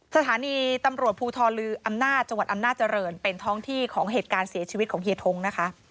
สถานีตำรวจภูทรลืออำนาจจังหวัดอำนาจริงเป็นท้องที่ของเหตุการณ์เสียชีวิตของเฮียทงนะคะ